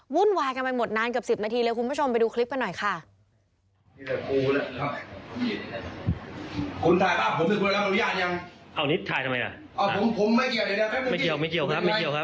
วุ่นวายกันไปหมดนานเกือบ๑๐นาทีเลยคุณผู้ชมไปดูคลิปกันหน่อยค่ะ